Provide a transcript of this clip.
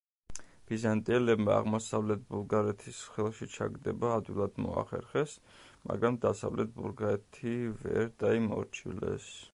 ბიზანტიელებმა აღმოსავლეთ ბულგარეთის ხელში ჩაგდება ადვილად მოახერხეს, მაგრამ დასავლეთ ბულგარეთი ვერ დაიმორჩილეს.